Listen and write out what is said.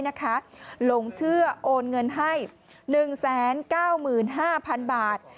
หลงเชื่อโอนเงินให้๑๙๕๐๐๐บาท